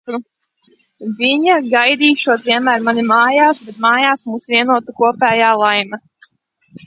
Viņa gaidīšot vienmēr mani mājās, bet mājās mūs vienotu kopējā laime.